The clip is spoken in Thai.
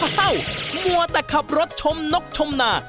มัวแต่ขับรถชมนกชมนา